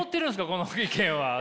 この意見は。